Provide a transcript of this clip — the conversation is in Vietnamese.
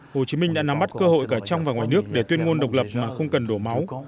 hồ chí minh đã nắm bắt cơ hội cả trong và ngoài nước để tuyên ngôn độc lập mà không cần đổ máu